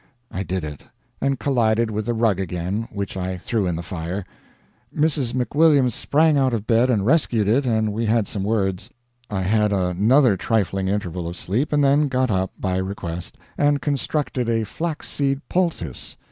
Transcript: I did it; and collided with the rug again, which I threw in the fire. Mrs. McWilliams sprang out of bed and rescued it and we had some words. I had another trifling interval of sleep, and then got up, by request, and constructed a flax seed poultice.